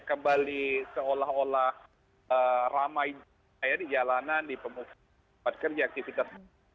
kembali seolah olah ramai di jalanan di tempat kerja aktivitas